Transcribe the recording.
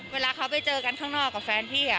เวลาเขาไปเจอกันข้างนอกกับแฟนพี่